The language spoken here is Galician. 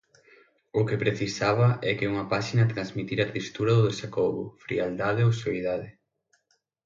O que precisaba é que unha páxina transmitira tristura ou desacougo, frialdade ou soidade...